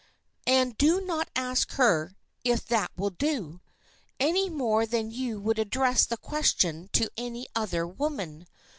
And do not ask her 'if that will do?' any more than you would address the question to any other woman.